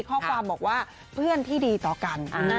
ข้อความบอกว่าเพื่อนที่ดีต่อกัน